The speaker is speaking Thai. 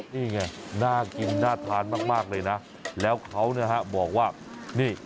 นี่ไงน่ากินน่าทานมากเลยนะแล้วเขานะฮะบอกว่านี่